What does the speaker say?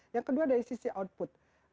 yang kedua dari sisi output